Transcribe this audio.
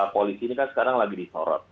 polisi ini kan sekarang lagi disorot